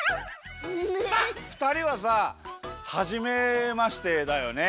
さあふたりはさはじめましてだよね。